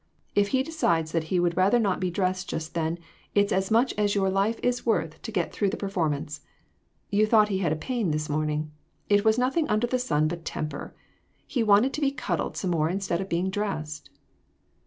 If he decides that he would rather not be dressed just then it's as much as your life is worth to get through the performance. You thought he had a pain this morning; it was nothing under the sun but temper. He wanted to be cuddled some more instead of being dressed."